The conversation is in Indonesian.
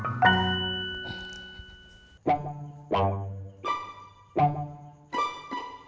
masakan mama nggak ada yang nggak enak semuanya enak laku insya allah